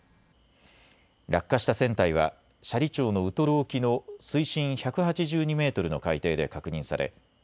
落下した船体は斜里町のウトロ沖の水深１８２メートルの海底で確認され